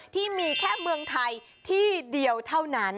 ที่มีแค่เมืองไทยที่เดียวเท่านั้น